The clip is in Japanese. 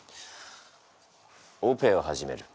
「オペを始める。